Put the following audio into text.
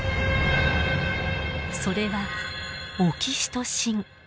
それがオキシトシン。